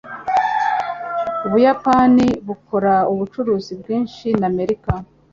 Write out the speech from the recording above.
Ubuyapani bukora ubucuruzi bwinshi na Amerika